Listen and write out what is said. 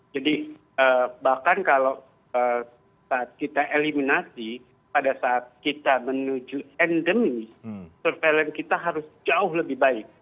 jadi bahkan kalau saat kita eliminasi pada saat kita menuju endemi surveillance kita harus jauh lebih baik